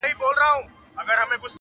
له نیکونو په مېږیانو کي سلطان وو؛